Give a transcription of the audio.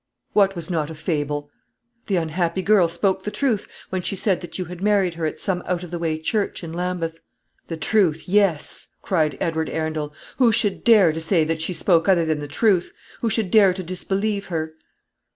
"What was not a fable?" "The unhappy girl spoke the truth when she said that you had married her at some out of the way church in Lambeth." "The truth! Yes!" cried Edward Arundel. "Who should dare to say that she spoke other than the truth? Who should dare to disbelieve her?"